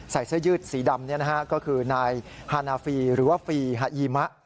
ใส่เสื้อยืดสีดำนี่นะฮะก็คือนายฮานาฟีหรือว่าฟีฮะยีมะ